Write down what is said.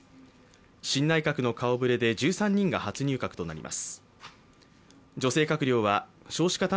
新内閣の顔ぶれで１３人が初入閣となります。